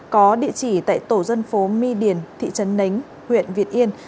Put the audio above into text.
có địa chỉ tại tổ dân phố my điền thị trấn nánh huyện việt yên